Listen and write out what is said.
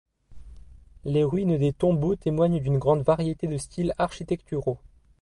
Les ruines des tambos témoignent d'une grande variété de styles architecturaux.